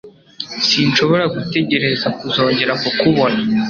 Sinshobora gutegereza kuzongera kukubona.